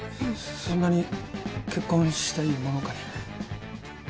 そんなに結婚したいものかね。